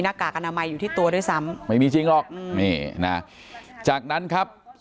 กากอนามัยอยู่ที่ตัวด้วยซ้ำไม่มีจริงหรอกอืมนี่นะจากนั้นครับ